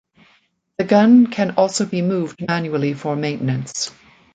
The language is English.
The gun can also be moved manually for maintenance.